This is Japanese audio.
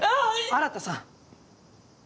新さん。